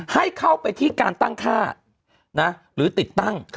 ให้เข้าไปที่การตั้งค่าหรือติดตั้ง